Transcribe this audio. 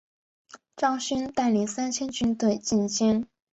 张勋带领三千军队进京。